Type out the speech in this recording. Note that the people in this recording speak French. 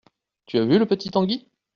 Tu as vu le petit Tangi ?